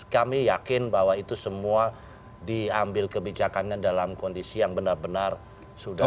kami yakin bahwa itu semua diambil kebijakannya dalam kondisi yang benar benar sudah